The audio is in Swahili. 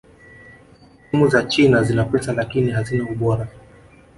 timu za china zina pesa lakini hazina ubora